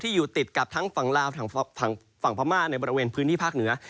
อยู่ติดกับทั้งฝั่งลาวทางฝั่งพม่าในบริเวณพื้นที่ภาคเหนือ